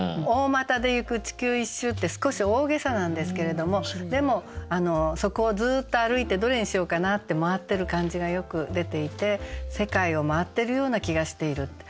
「大股でゆく地球一周」って少し大げさなんですけれどもでもそこをずっと歩いてどれにしようかなって周ってる感じがよく出ていて世界を周っているような気がしている。